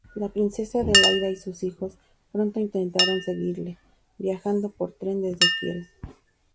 La Princesa Adelaida y sus hijos pronto intentaron seguirle, viajando por tren desde Kiel.